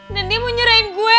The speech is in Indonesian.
dan dia mau nyerahin gue